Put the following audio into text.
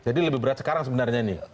jadi lebih berat sekarang sebenarnya nih